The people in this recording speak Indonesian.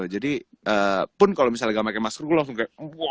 jadi pun kalau misalnya enggak pakai masker gue langsung kayak